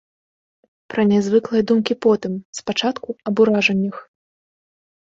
Пра нязвыклыя думкі потым, спачатку аб уражаннях.